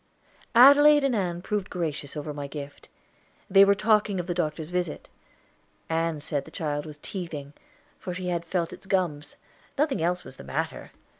Adelaide and Ann proved gracious over my gift. They were talking of the doctor's visit. Ann said the child was teething, for she had felt its gums; nothing else was the matter.